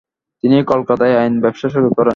তিনি কলকাতায় আইন ব্যবসা শুরু করেন ।